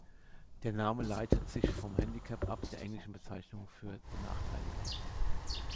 Der Name leitet sich von Handicap ab, der englischen Bezeichnung für Benachteiligung.